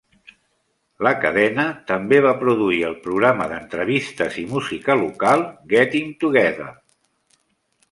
La cadena també va produir el programa d'entrevistes i música local "Getting Together".